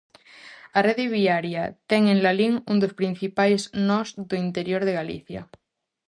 A rede viaria ten en Lalín un dos principais nós do interior de Galicia.